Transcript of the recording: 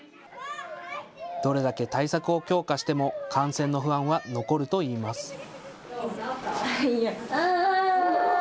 どれだけ対策を強化しても感染の不安は残るといいます。